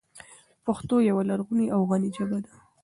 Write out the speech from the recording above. پښتو یوه لرغونې او غني ژبه ده.